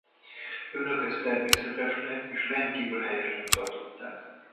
Önök ezt természetesnek és rendkívül helyesnek tartották.